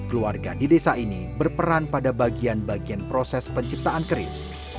keluarga di desa ini berperan pada bagian bagian proses penciptaan keris